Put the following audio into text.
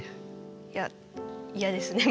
いや嫌ですね